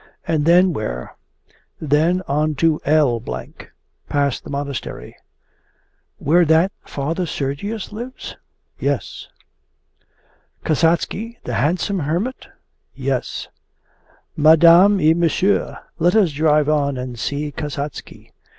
'And then where?' 'Then on to L , past the Monastery.' 'Where that Father Sergius lives?' 'Yes.' 'Kasatsky, the handsome hermit?' 'Yes.' 'Mesdames et messieurs, let us drive on and see Kasatsky!